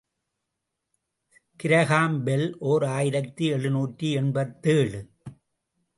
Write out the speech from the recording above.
Graham Bell, ஓர் ஆயிரத்து எழுநூற்று எண்பத்தேழு.